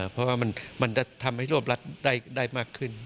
เพราะว่ามันจะทำให้รวบรัดได้มากขึ้น